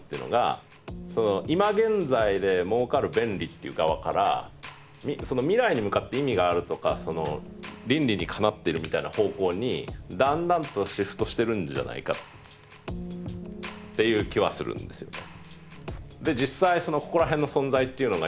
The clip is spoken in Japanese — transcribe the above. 最近の流行りの範囲で考えるならその未来に向かって意味があるとか倫理にかなってるみたいな方向にだんだんとシフトしてるんじゃないかっていう気はするんですね。